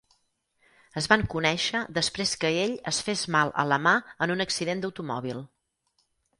Es van conèixer després que ell es fes mal a la mà en un accident d'automòbil.